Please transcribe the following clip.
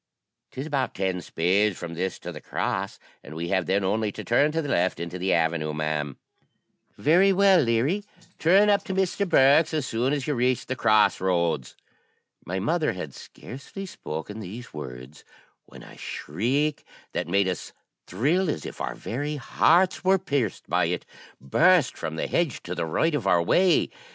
''Tis about ten spades from this to the cross, and we have then only to turn to the left into the avenue, ma'am.' 'Very well, Leary; turn up to Mr. Bourke's as soon as you reach the cross roads.' My mother had scarcely spoken these words, when a shriek, that made us thrill as if our very hearts were pierced by it, burst from the hedge to the right of our way.